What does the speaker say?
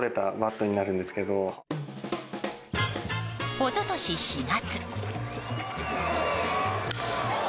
一昨年４月。